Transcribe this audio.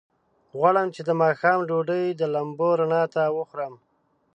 غواړم چې د ماښام ډوډۍ د لمبو رڼا ته وخورم.